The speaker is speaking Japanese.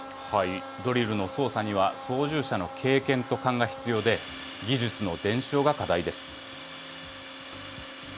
ドリルの操作には操縦者の経験と勘が必要で、技術の伝承が課題です。